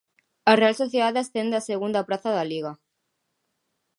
A Real Sociedade ascende á segunda praza da Liga.